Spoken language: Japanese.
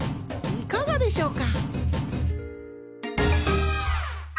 いかがでしょうか？